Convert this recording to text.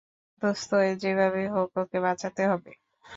দোস্ত, যেভাবে হোক ওকে বাঁচাতে হবে।